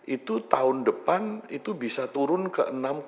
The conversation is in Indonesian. itu tahun depan itu bisa turun ke enam tujuh